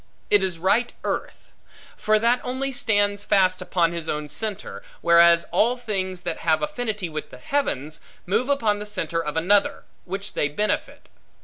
It is right earth. For that only stands fast upon his own centre; whereas all things, that have affinity with the heavens, move upon the centre of another, which they benefit.